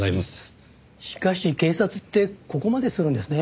しかし警察ってここまでするんですね。